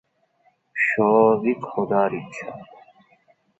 সব খোদার ইচ্ছা।